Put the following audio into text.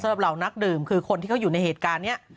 เหล่านักดื่มคือคนที่เขาอยู่ในเหตุการณ์นี้